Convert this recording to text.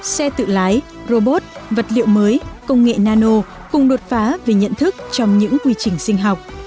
xe tự lái robot vật liệu mới công nghệ nano cùng đột phá về nhận thức trong những quy trình sinh học